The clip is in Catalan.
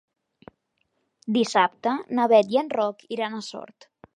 Dissabte na Beth i en Roc iran a Sort.